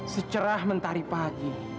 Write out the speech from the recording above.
secerah mentari pagi